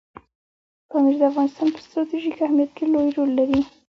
پامیر د افغانستان په ستراتیژیک اهمیت کې لوی رول لري.